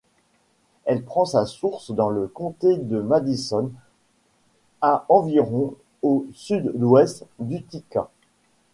Elle prend sa source dans le Comté de Madison, à environ au sud-ouest d'Utica.